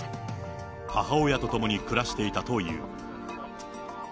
母親と共に暮らしていたという。